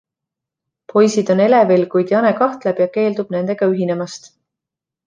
Poisid on elevil, kuid Jane kahtleb ja keeldub nendega ühinemast.